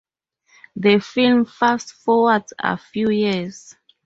The film fast forwards a few years.